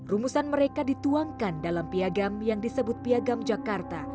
rumusan mereka dituangkan dalam piagam yang disebut piagam jakarta